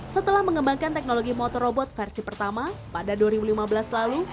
setelah mengembangkan teknologi motor robot versi pertama pada dua ribu lima belas lalu